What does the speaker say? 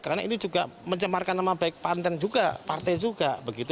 karena ini juga menjemarkan nama baik pan dan juga partai juga